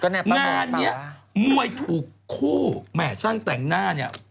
งานเนี้ยมวยถูกคู่แหม่ช่างแต่งหน้าเนี่ย